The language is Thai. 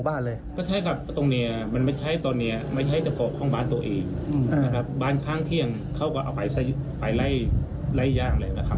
บ้านข้างเที่ยงเขาก็เอาไปไล่ย่างอะไรนะครับ